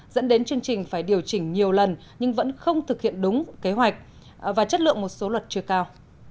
dẫn đến chương trình phải điều chỉnh nhiều lần nhưng vẫn không thực hiện đúng kế hoạch và chất lượng một số luật chưa cao